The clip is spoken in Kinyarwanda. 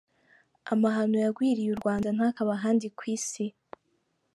Amahano yagwiriye u Rwanda ntakabe ahandi kw'isi.